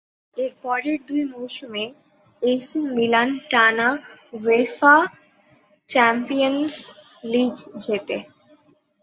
এর পরের দুই মৌসুমে এসি মিলান টানা উয়েফা চ্যাম্পিয়নস লিগ জেতে।